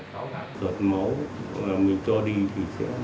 đến nay vài năm sau là gặp lại một người cháu đã giải thích ra giảm sống